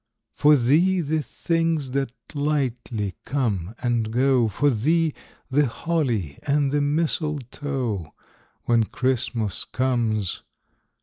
For thee, the things that lightly come and go, For thee, the holly and the mistletoe, When Christmas comes.